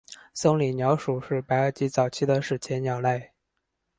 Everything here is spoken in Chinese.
松岭鸟属是白垩纪早期的史前鸟类。